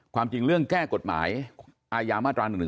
ความจริงเรื่องแก้กฎหมายอาญามาตรา๑๑๒